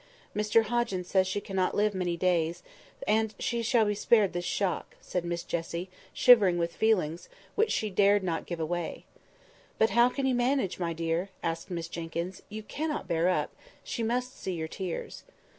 "Mr Hoggins says she cannot live many days, and she shall be spared this shock," said Miss Jessie, shivering with feelings to which she dared not give way. "But how can you manage, my dear?" asked Miss Jenkyns; "you cannot bear up, she must see your tears."